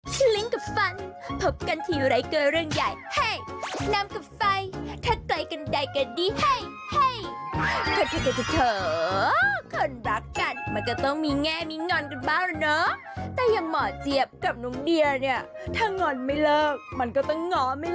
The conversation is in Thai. เดี๋ยเนี่ยถ้างอนไม่เลิกมันก็ต้องหงอไม่เลิกแบบนี้